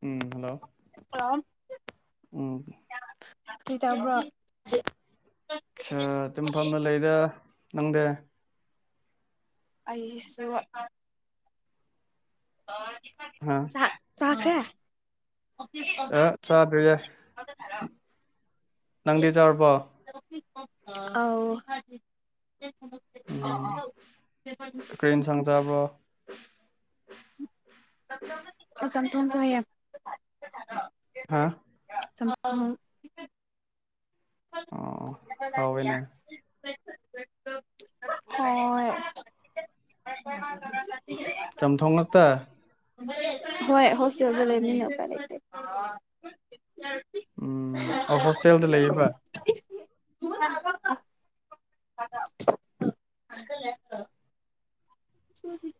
ꯎꯝ hello ꯀꯔꯤꯇꯧꯕ꯭ꯔꯣ ꯑ ꯇꯨꯝꯐꯝꯅ ꯂꯩꯗ ꯅꯪꯗꯦ ꯑꯩꯁꯨ ꯍꯥ ꯆꯥꯛ ꯆꯥꯈꯔꯦ ꯑ ꯆꯥꯗ꯭ꯔꯤꯌꯦ ꯅꯪꯗꯤ ꯆꯥꯔꯕꯣ ꯑꯥꯎ [inaudible] ꯁꯪꯆꯥꯕꯔꯣ ꯑ ꯆꯝꯊꯣꯡ ꯆꯥꯏꯌꯦ ꯍꯥꯥ ꯆꯝꯊꯣꯡ ꯑꯣ ꯍꯥꯎꯋꯦꯅꯦ [inaudible] ꯍꯣꯏ ꯆꯝꯊꯣꯡ ꯉꯥꯛꯇ ꯍꯣꯏ ꯍꯣꯁꯦꯜꯗ ꯂꯩꯕꯅꯤꯅ ꯎꯄꯥꯏ ꯂꯩꯇꯦ ꯎꯝ ꯑ ꯍꯣꯁꯇꯦꯜꯗ ꯂꯩꯌꯦꯕ [inaudible] ꯀ ꯎ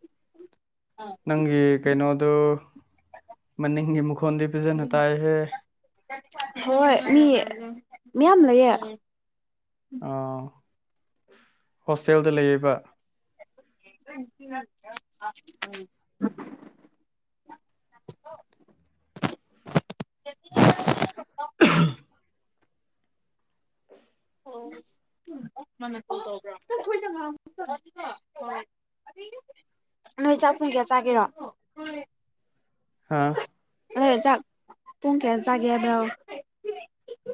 ꯅꯪꯒꯤ ꯀꯩꯅꯣꯗꯨ ꯃꯅꯤꯡꯒꯤ ꯃꯈꯣꯟꯗꯤ ꯄꯤꯖꯅ ꯇꯥꯏꯍꯦ ꯍꯣꯏ ꯃꯤ ꯃꯌꯥꯝ ꯂꯩꯌꯦ ꯍꯣꯁꯇꯦꯜꯗ ꯂꯩꯌꯦꯕ [inaudible] [unintelligible] ꯑꯣ [inaudible] ꯅꯣꯏ ꯆꯥꯛꯄꯣꯡ ꯀꯌꯥ ꯆꯥꯈꯤꯔꯣ ꯍꯥꯥ ꯑꯗꯨ ꯆꯥꯛ ꯄꯨꯡ ꯀꯌꯥ ꯆꯥꯒꯦ ꯍꯥꯏꯕ꯭ꯔꯣ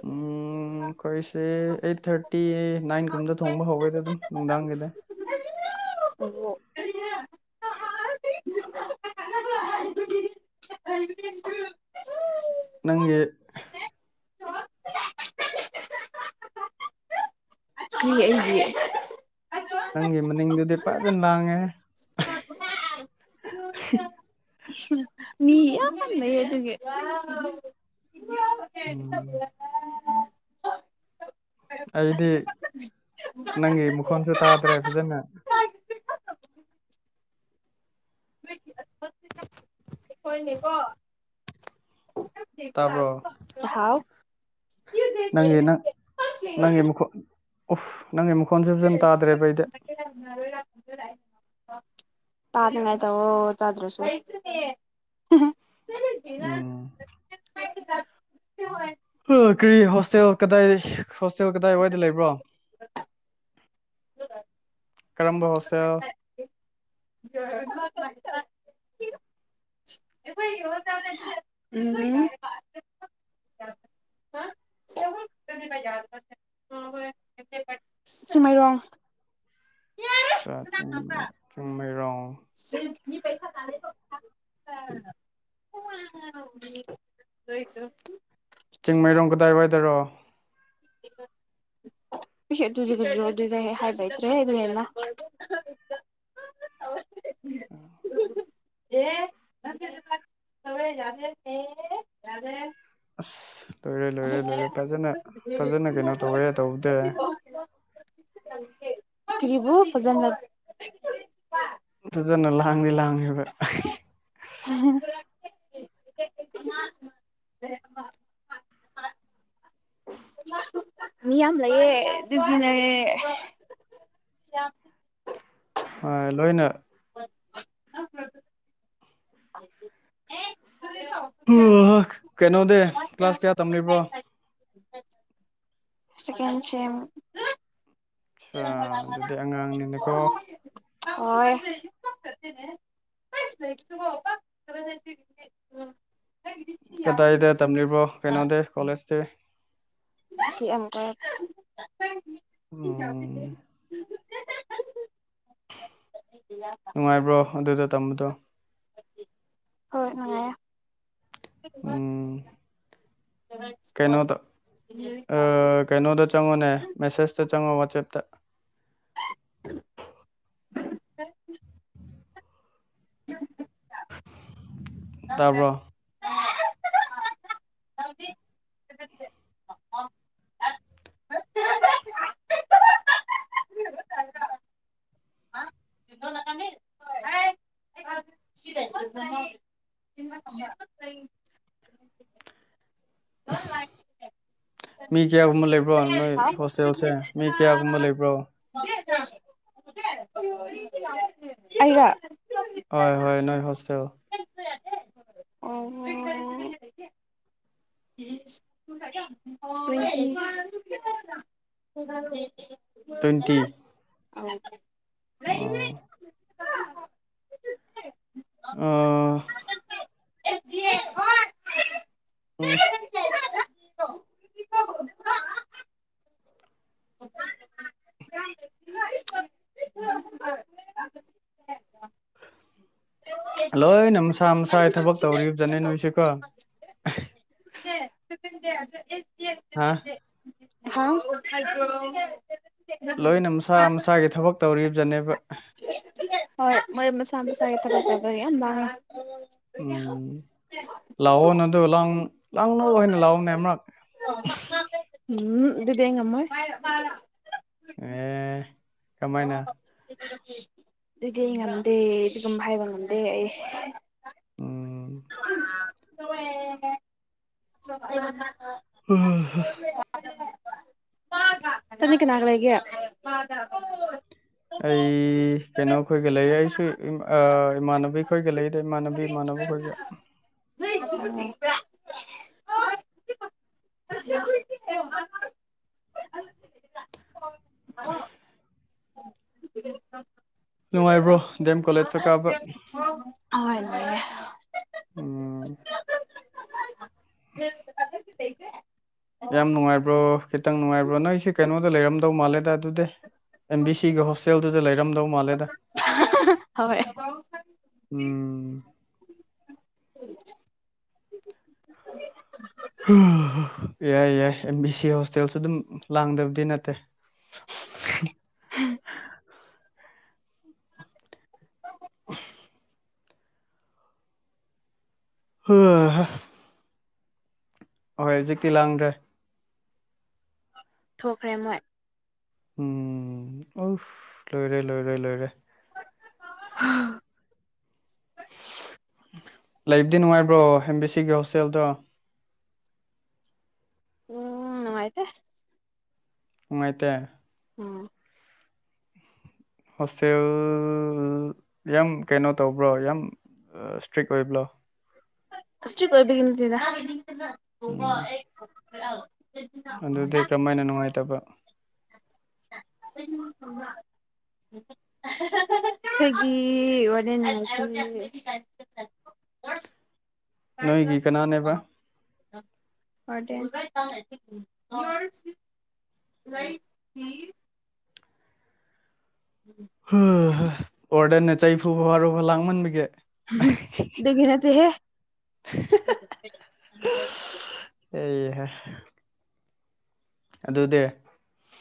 ꯎꯝ ꯀꯣꯏꯁ ꯑꯩꯠ ꯊꯥꯔꯇꯤ ꯅꯥꯏꯟ ꯀꯨꯝꯗ ꯊꯣꯡꯕ ꯍꯧꯒꯦꯗꯤ ꯑꯗꯨꯝ ꯅꯨꯡꯗꯥꯡꯒꯤꯗ ꯑꯣ [unintelligible] ꯅꯪꯒꯤ [inaudible] [unintelligible] ꯅꯪꯒꯤ ꯃꯅꯤꯡꯗꯨꯗꯤ ꯐꯖꯅ ꯂꯥꯡꯉꯦ [inaudible] ꯃꯤ ꯌꯥꯝ ꯂꯩꯌꯦ ꯑꯗꯨꯒꯤ ꯎꯝ ꯑꯩꯗꯤ ꯅꯪꯒꯤ ꯃꯈꯣꯟꯁꯨ ꯇꯥꯗ꯭ꯔꯦ ꯐꯖꯅ [inaudible] [inaudible] ꯍꯣꯏꯅꯦꯀꯣ ꯇꯥꯕ꯭ꯔꯣ ꯍꯥꯎ ꯅꯪꯒꯤ ꯅꯪ ꯅꯪꯒꯤ ꯃꯈꯣꯟ ꯎꯐ ꯅꯪꯒꯤ ꯃꯈꯣꯟꯁꯨ ꯐꯖꯅ ꯇꯥꯗ꯭ꯔꯦꯕꯩꯗ [inaudible] ꯇꯅꯤꯉꯥꯏ ꯇꯧꯑꯣ ꯇꯗ꯭ꯔꯁꯨ ꯎꯝ [inaudible] ꯀꯔꯤ ꯍꯣꯁꯇꯦꯜ ꯀꯗꯥꯏ ꯍꯣꯁꯇꯦꯜ ꯀꯗꯥꯏꯋꯥꯏꯗ ꯂꯩꯕ꯭ꯔꯣ ꯀꯔꯝꯕ ꯍꯣꯠꯁꯦꯜ [inaudible] ꯎꯝ ꯃꯌꯥꯗꯕ ꯑꯣ ꯍꯣꯏ ꯁꯃꯥꯏꯔꯣꯡ ꯑ ꯆꯤꯡ ꯃꯔꯣ ꯁ ꯆꯤꯡꯃꯩꯔꯣꯡ ꯀꯗꯥꯏ ꯋꯥꯏꯗꯔꯣ ꯑꯗꯨꯗꯤ ꯑꯗꯨꯗꯦꯛ [inaudible] ꯍꯥꯏꯕꯇ꯭ꯔꯦ ꯍꯦꯟꯅ [inaudible] ꯑꯦ ꯅꯋ [inaudible] ꯌꯥꯗꯦ ꯌꯥꯗꯦ ꯑꯁ ꯂꯣꯏꯔꯦ ꯂꯣꯏꯔꯦ ꯂꯣꯏꯔꯦ ꯐꯖꯅ ꯐꯖꯅ ꯀꯩꯅꯣ ꯇꯧꯋꯦ ꯇꯧꯕꯗꯤ [unintelligible] [inaudible] ꯀꯤꯔꯤꯕꯨ ꯐꯖꯟ ꯐꯖꯅ ꯂꯥꯡꯗꯤ ꯂꯥꯡꯉꯕ ꯎꯝ [inaudible] ꯃꯤ ꯌꯥꯝ ꯂꯩꯌꯦ ꯑꯗꯨꯕꯤꯅꯦ [unintelligible] ꯑ ꯂꯣꯏꯅ ꯑꯝ [inaudible] ꯀꯩꯅꯣꯗ ꯀ꯭ꯂꯥꯁ ꯀꯌꯥ ꯇꯝꯂꯤꯕꯣ ꯀꯁꯦ [inaudible] ꯑꯗꯨꯗꯤ ꯑꯉꯥꯡꯅꯤꯅꯦꯀꯣ [unintelligible] ꯀꯗꯥꯏꯗ ꯇꯝꯂꯤꯕꯣ ꯀꯩꯅꯣꯗꯤ ꯀꯣꯂꯦꯖꯇꯤ [unintelligible] ꯑꯝ [inaudible] ꯅꯨꯡꯉꯥꯏꯕ꯭ꯔꯣ ꯑꯗꯨꯗ ꯇꯝꯕꯗꯣ ꯍꯣꯏ ꯅꯨꯡꯉꯥꯏꯌꯦ ꯎꯝ ꯀꯩꯅꯣꯗ ꯀꯩꯅꯣꯗ ꯆꯪꯉꯣꯅꯦ ꯃꯦꯁꯦꯁꯇ ꯆꯪꯉꯣ ꯋꯥꯆꯦꯞꯇ [inaudible] ꯇꯥꯕ꯭ꯔꯣ [inaudible] [inaudible] [inaudible] [unintelligible] [unintelligible] [unintelligible] ꯃꯤ ꯀꯌꯥꯒꯨꯝꯕ ꯂꯩꯕ꯭ꯔꯣ ꯅꯣꯏ ꯍꯣꯁꯇꯦꯜꯁꯦ ꯃꯤ ꯀꯌꯥꯒꯨꯝꯕ ꯂꯩꯕ꯭ꯔꯣ [unintelligible] [unintelligible] ꯑꯩꯔ ꯍꯣꯏ ꯍꯣꯏ ꯅꯣꯏ ꯍꯣꯁꯇꯦꯜ ꯑꯝꯍꯝ [inaudible] [unintelligible] [unintelligible] ꯇ꯭ꯋꯦꯟꯇꯤ ꯑꯝ ꯑꯝ ꯑꯥ ꯎꯝ ꯂꯣꯏꯅ ꯃꯁꯥ ꯃꯁꯥꯒꯤ ꯊꯕꯛ ꯇꯧꯔꯤꯕꯖꯠꯅꯦ ꯅꯣꯏꯁꯤꯀꯣ [unintelligible] ꯍꯥ ꯍ [unintelligible] ꯂꯣꯏꯅ ꯃꯁꯥ ꯃꯁꯥꯒꯤ ꯊꯕꯛ ꯇꯧꯔꯤꯕꯖꯅꯦꯕ ꯍꯣꯏ ꯃꯣꯏ ꯃꯁꯥ ꯃꯁꯥꯒꯤ ꯊꯕꯛ ꯇꯧꯕꯩ ꯌꯥꯝ ꯂꯥꯡꯑꯦ ꯎꯝ ꯂꯥꯛꯑꯣ ꯅꯗ ꯂꯥꯡ ꯂꯥꯡꯅꯧ ꯍꯥꯏꯅ ꯂꯥꯛꯑꯣꯅꯦ ꯑꯃꯛ [unintelligible] ꯎꯝ ꯑꯗꯨꯗꯤ ꯑꯩ ꯉꯝꯃꯣꯏ ꯑꯦ ꯀꯃꯥꯏꯅ [unintelligible] ꯑꯗꯨꯗꯤ ꯑꯩ ꯉꯝꯗꯦ ꯑꯗꯨꯒꯨꯝꯕ ꯍꯥꯏꯕ ꯉꯝꯗꯦ ꯑꯩ ꯎꯝ [inaudible] ꯑꯣ ꯍꯣꯏ ꯇꯅꯤꯀꯅꯒ ꯂꯩꯒ ꯑꯩ ꯀꯩꯅꯣ ꯈꯣꯏꯒ ꯂꯩ ꯑꯩꯁꯨ ꯏꯃꯥꯟꯅꯕꯤ ꯈꯣꯏꯒ ꯂꯩ ꯑꯗꯩ ꯏꯃꯥꯟꯅꯕꯤ ꯏꯃꯥꯟꯅꯕ ꯑꯩꯈꯣꯏꯒ ꯅ [unintelligible] ꯎ [inaudible] ꯅꯨꯡꯉꯥꯏꯕ꯭ꯔꯣ ꯗꯗꯤ ꯑꯦꯝ ꯀꯣꯂꯦꯖ ꯆ ꯀꯥꯕ ꯍꯣꯏ ꯂꯩꯌꯦ ꯑꯣ [inaudible] ꯌꯥꯝ ꯅꯨꯡꯉꯥꯏꯕ꯭ꯔꯣ ꯈꯤꯇꯪ ꯅꯨꯡꯉꯥꯏꯕ꯭ꯔꯣ ꯅꯣꯏ ꯑꯩꯁꯦ ꯀꯩꯅꯣꯗ ꯂꯩꯔꯝꯗꯧ ꯃꯥꯜꯂꯦꯗ ꯑꯗꯨꯗꯤ ꯑꯦꯝ ꯕꯤ ꯁꯤꯒ ꯍꯣꯁꯇꯦꯜꯗꯨꯗ ꯂꯩꯔꯝꯗꯧ ꯃꯥꯜꯂꯦꯗ ꯍꯣꯏ ꯎꯝ ꯌꯥꯏ ꯌꯥꯏ ꯑꯦꯝ ꯕꯤ ꯁꯤ ꯍꯣꯁꯇꯦꯜꯁꯨ ꯑꯗꯨꯝ ꯂꯥꯡꯗꯕꯗꯤ ꯅꯠꯇꯦ ꯎꯝ ꯑ ꯍꯣꯏ ꯑꯍꯣꯏ ꯍꯧꯖꯤꯛꯇꯤ ꯂꯥꯡꯗ꯭ꯔꯦ ꯊꯣꯛꯈ꯭ꯔꯦ ꯃꯣꯏ ꯎꯝ ꯑꯣꯐ ꯂꯣꯏꯔꯦ ꯂꯣꯏꯔꯦ ꯂꯣꯏꯔꯦ ꯎꯝ ꯂꯩꯕꯨꯗꯤ ꯅꯨꯡꯉꯥꯏꯕ꯭ꯔꯣ ꯑꯦꯝ ꯕꯤ ꯁꯤꯒꯤ ꯍꯣꯁꯇꯦꯜꯗꯣ ꯎꯝ ꯑꯥꯏꯗ ꯅꯨꯡꯉꯥꯏꯇꯦ ꯎꯝ ꯍꯣꯁꯇꯦꯜ ꯌꯥꯝ ꯀꯩꯅꯣ ꯇꯧꯕ꯭ꯔꯣ ꯌꯥꯝ ꯏꯁꯇ꯭ꯔꯤꯛ ꯑꯣꯏꯕ꯭ꯔꯣ ꯀꯁ ꯎꯝ ꯑꯣꯏꯣꯏ ꯑꯗꯨꯗꯤ ꯀꯔꯝꯍ ꯍꯥꯏꯅ ꯅꯨꯡꯉꯥꯏꯇꯕ ꯑꯩ ꯊ ꯁ꯭ꯋꯒꯤ ꯋꯥꯔꯤꯅꯤ ꯅꯠꯇ ꯅꯣꯏꯒꯤ ꯀꯅꯥꯅꯦꯕ ꯀꯥꯏ ꯍ ꯔꯥꯏ ꯍ ꯎꯝ ꯍ ꯍ ꯍ ꯑꯣꯔꯗꯟꯅ ꯆꯩꯐꯨꯕ ꯋꯥꯔꯨꯕ ꯂꯥꯡꯃꯟꯕꯒꯦ ꯗꯒꯤꯅꯠꯇ ꯍꯦ ꯑꯦꯍ ꯑꯗꯨꯗꯤ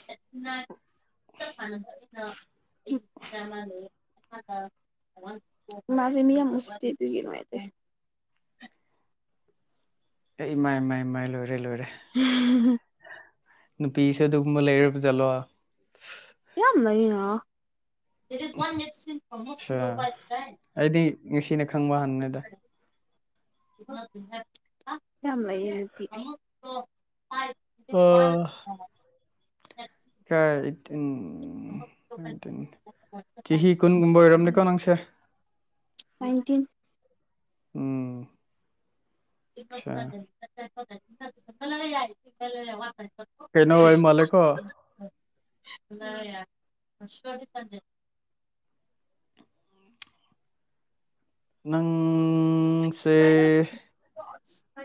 [inaudible] ꯃꯥꯖꯤ ꯃꯌꯥ ꯃꯁꯇꯗ ꯀꯅꯣꯥꯏ ꯑꯦ ꯏꯃꯥꯏ ꯏꯃꯥꯏ ꯏ ꯃꯥꯏ ꯂꯣꯏꯔꯦ ꯂꯣꯏꯔꯦ ꯎꯝ ꯅꯨꯄꯤꯁꯨ ꯑꯗꯨꯒꯨꯝꯕ ꯂꯩꯔꯔꯕ ꯖꯠꯂꯣ ꯌꯥꯝ ꯅ ꯑꯠꯁꯥ ꯑꯩꯗꯤ ꯉꯁꯤꯅ ꯈꯪꯕ ꯍꯥꯟꯅꯤꯗ [inaudible] ꯂꯩ ꯑ ꯀꯦ ꯑꯩꯠꯇꯤꯟ ꯅꯥꯏꯟꯇꯤꯟ ꯆꯍꯤ ꯀꯨꯟꯒꯨꯝꯕ ꯑꯣꯏꯔꯝꯅꯦꯀꯣ ꯅꯪꯁꯦ ꯅꯥꯏꯟꯇꯤꯟ ꯎꯝ [unintelligible] ꯑꯆꯥ ꯌꯥꯋꯥꯇ ꯀꯩꯅꯣ ꯑꯣꯏ ꯃꯥꯜꯂꯦꯀꯣ ꯆ ꯅꯪꯁꯦ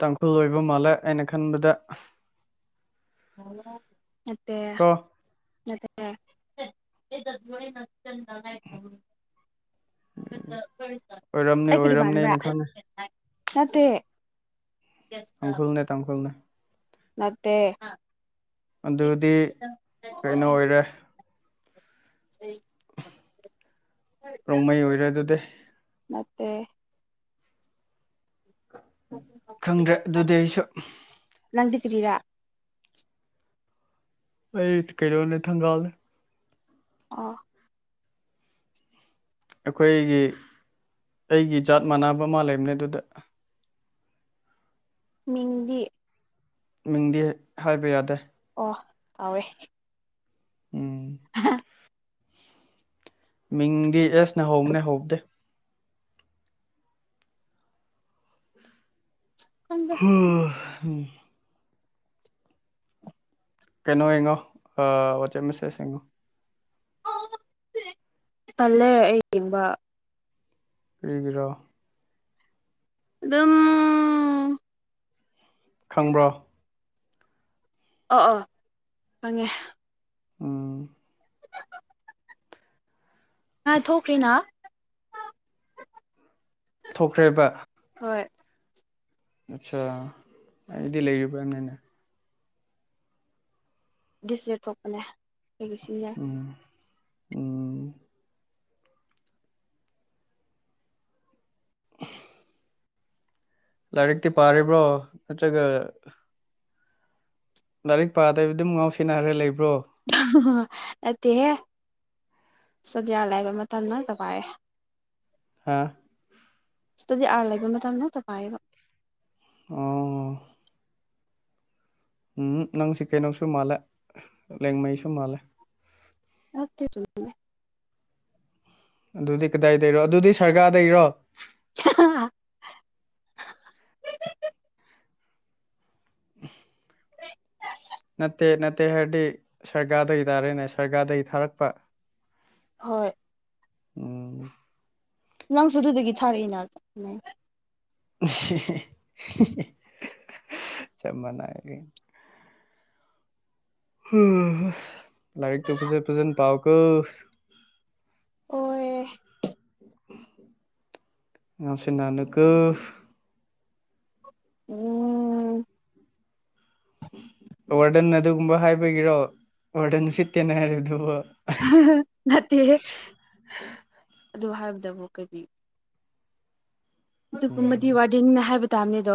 ꯇꯥꯡꯈꯨꯜ ꯑꯣꯏꯕ ꯃꯥꯜꯂꯦ ꯑꯩꯅ ꯈꯟꯕꯗ ꯅꯠꯇ ꯀꯣ ꯃꯅ ꯆ ꯑꯣꯏꯔꯝꯅꯤ ꯑꯩ ꯑꯣꯏꯔꯝꯅꯤꯅ ꯈꯪꯉꯦ ꯃꯥꯟꯕꯕ꯭ꯔꯥ ꯅꯦ ꯑꯪꯈꯣꯜꯅꯦ ꯇ ꯑꯪꯈꯣꯜꯅꯦ ꯅꯠꯇꯦ ꯑꯗꯨꯗꯤ ꯀꯩꯅꯣ ꯑꯣꯏꯔꯦ ꯔꯣꯡꯃꯩ ꯑꯣꯏꯔꯦ ꯑꯗꯨꯗꯤ ꯃꯦ ꯈꯪꯗ꯭ꯔꯦ ꯑꯗꯨꯗꯤ ꯑꯩꯁꯨ ꯂꯪꯗ ꯀ꯭ꯔꯔꯤꯔꯥ ꯑꯩ ꯇ ꯀꯣꯏ ꯏ ꯊꯪꯒꯥ ꯑꯥ ꯑꯩꯈꯣꯏꯒꯤ ꯑꯩꯒꯤ ꯖꯥꯠ ꯃꯥꯟꯅꯕ ꯑꯃ ꯂꯩꯕꯅꯦ ꯑꯗꯨꯗ ꯃꯤꯗꯤ ꯃꯤꯡꯗꯤ ꯍꯥꯏꯕ ꯌꯥꯗꯦ ꯑꯣ ꯇꯥꯎꯋꯦ ꯎꯝ ꯑ ꯃꯤꯡꯗꯤ ꯑꯦꯁ ꯅꯍꯧꯕꯅꯦ ꯍꯧꯕꯗꯦ ꯍꯗ ꯍ ꯀꯩꯅꯣ ꯌꯦꯡꯉꯣ ꯋꯥꯆꯦꯞ ꯃꯦꯁꯦꯁ ꯌꯦꯡꯉꯣ ꯇꯜꯂꯦ ꯑꯩ ꯌꯦꯡꯕ ꯄꯤꯒꯤꯔꯣ ꯑꯗꯨ ꯑꯗꯨꯝ ꯈꯪꯕ꯭ꯔꯣ ꯑꯣ ꯑꯣꯥ ꯐꯪꯉꯦ ꯑꯥ ꯑ ꯊꯣꯛꯈ꯭ꯔꯤꯅꯥ ꯊꯣꯛꯈ꯭ꯔꯦꯕ ꯍꯣꯏ ꯑꯠꯆꯥ ꯑꯩꯗꯤ ꯂꯩꯔꯤꯕ꯭ꯔꯥꯅꯅꯦ ꯗꯤꯁꯖꯔ ꯀꯣꯛꯄꯅꯦ ꯂꯩꯒꯁꯤꯟ ꯌꯥꯦ ꯎꯝ ꯎꯝ [inaudible] ꯂꯥꯏꯔꯤꯛꯇꯤ ꯄꯥꯔꯤꯕ꯭ꯔꯣ ꯅꯠꯇ꯭ꯔꯒ ꯂꯥꯏꯔꯤꯛ ꯄꯥꯗꯕꯤ ꯑꯗꯨꯝ ꯉꯥꯎꯁꯦꯟꯅꯈ꯭ꯔꯦ ꯂꯩꯕ꯭ꯔꯣ ꯅꯠꯇꯦꯍꯦ ꯁꯗꯤꯌꯥ ꯂꯩꯥꯏꯕ ꯃꯇꯝ ꯅꯛꯇ ꯄꯥꯏꯑꯦ ꯍꯥꯥ ꯁꯤꯇꯗꯤ ꯑꯥꯔ ꯂꯩꯕ ꯃꯇꯝꯗꯛꯇ ꯄꯥꯏꯌꯦꯕ ꯑꯣ ꯎꯝ ꯅꯪꯁꯤ ꯀꯩꯅꯣꯁꯨ ꯃꯥꯜꯂꯦ ꯂꯦꯡꯉꯩꯁꯨ ꯃꯥꯜꯂꯦ ꯂꯥꯛꯇ ꯆꯃꯦ ꯑꯗꯨꯗꯤ ꯀꯗꯥꯏꯗꯒꯤꯩꯔꯣ ꯑꯗꯨꯗꯤ ꯁꯔꯒꯥꯥꯔꯗꯩꯔꯣ ꯑ [unintelligible] ꯅꯠꯇꯦ ꯅꯠꯇꯦ ꯍꯥꯏꯔꯗꯤ ꯁꯔꯒꯥꯔꯗꯩ ꯇꯥꯔꯦꯅꯦ ꯁꯔꯒꯥꯔꯗꯒꯤ ꯊꯥꯔꯛꯄ ꯍꯣꯏ ꯎꯝ ꯅꯪꯁꯨ ꯑꯗꯨꯗꯒꯤ ꯊꯥꯔꯛꯏꯅ [unintelligible] [unintelligible] [unintelligible] ꯂꯥꯏꯔꯤꯛꯇꯨ ꯐꯖ ꯐꯖꯅ ꯄꯥꯎꯀꯣ ꯍꯣꯏ ꯉꯥꯎꯁꯤꯟꯅꯅꯨꯀꯣ ꯎꯝ ꯋꯥꯔꯗꯟꯅ ꯑꯗꯨꯒꯨꯝꯕ ꯍꯥꯏꯕꯒꯤꯔꯣ ꯋꯥꯔꯗꯟ ꯎꯁꯤꯠꯇꯦꯅ ꯍꯥꯏꯔꯤꯕꯗꯨ [unintelligible] ꯅꯠꯇꯦ ꯍꯦ ꯑꯗꯨ ꯍꯥꯏꯕꯗꯕꯨ ꯀꯔꯤ ꯑꯗꯨꯒꯨꯝꯕꯗꯤ ꯋꯥꯔꯗꯦꯟꯅꯤꯅ ꯍꯥꯏꯕ ꯇꯥꯕꯅꯦꯗꯣ